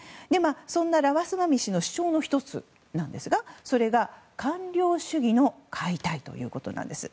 そんなラマスワミ氏の主張の１つですがそれが官僚主義の解体ということです。